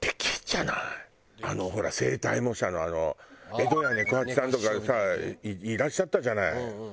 ほら声帯模写のあの江戸家猫八さんとかさいらっしゃったじゃない。